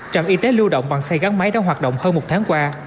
trạm y tế lưu động bằng xe gắn máy đã hoạt động hơn một tháng qua